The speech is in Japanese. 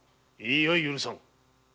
いいや許さん！